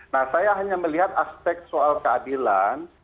nah saya hanya melihat aspek soal keadilan